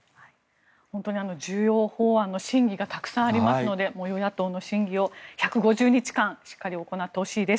本当に重要法案の審議がたくさんありますので与野党の審議を１５０日間しっかり行ってほしいです。